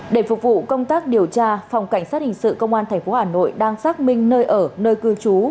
để phục vụ công tác điều tra phòng cảnh sát hình sự công an tp hà nội đang xác minh nơi ở nơi cư trú